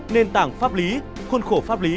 nền tảng pháp lý khuôn khổ pháp lý